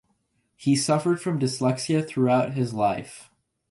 He suffered from dyslexia throughout his life.